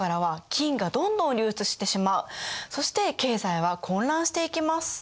そして経済は混乱していきます。